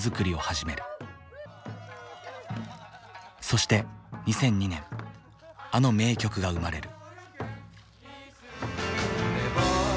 そして２００２年あの名曲が生まれる。